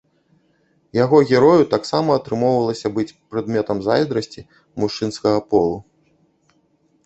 Яго герою таксама атрымоўвалася быць прадметам зайздрасці мужчынскага полу.